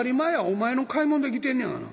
お前の買い物で来てんねやがな」。